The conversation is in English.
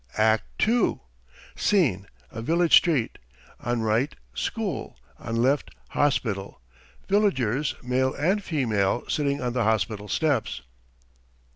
ACT II. Scene, a village street. On right, School. On left, Hospital. Villagers, _male and female, sitting on the hospital steps.